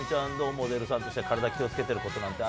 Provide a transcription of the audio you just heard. モデルさんとして、カラダ気をつけてることなんて